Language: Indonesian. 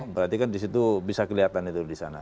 berarti kan di situ bisa kelihatan itu di sana